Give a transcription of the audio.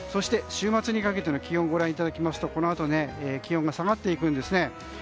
週末にかけての気温をご覧いただきますと、このあと気温が下がっていくんですね。